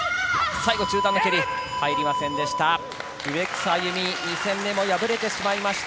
最後中段の蹴り入りませんでした。